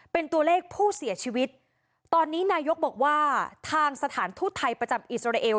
เป็นตัวเลขผู้เสียชีวิตตอนนี้นายกบอกว่าทางสถานทูตไทยประจำอิสราเอล